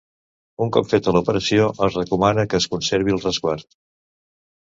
Un cop feta l'operació, es recomana que es conservi el resguard.